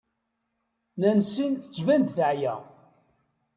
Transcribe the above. Nancy tettban-d teεya.